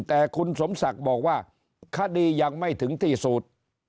แต่คุณสมศักดิ์บอกว่าคดียังไม่ถึงที่สุด